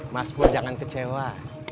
mas pur jangan kecewa